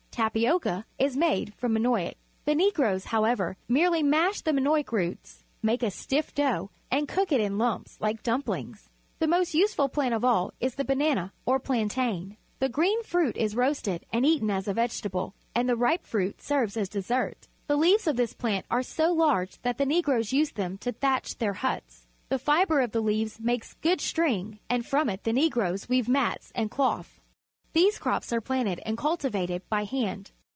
Tapioca is made from manioc. The Negroes, however, merely mash the manioc roots, make a stiff dough, and cook it in lumps like dumplings. The most useful plant of all is the banana or plan tain. The green fruit is roasted and eaten as a vegetable, and the ripe ®^° amors, fruit serves as dessert. The leaves of this plant are so large that the Negroes use them to thatch their huts. The fibre of the leaves makes good string, and from it the Negroes weave mats and cloth. These crops are planted and cultivated by hand.